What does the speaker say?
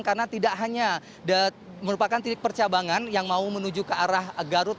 karena tidak hanya merupakan titik percabangan yang mau menuju ke arah garut